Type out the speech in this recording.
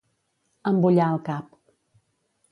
Embullar el cap.